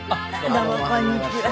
どうもこんにちは。